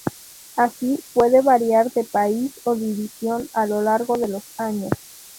Así, puede variar de país o división a lo largo de los años.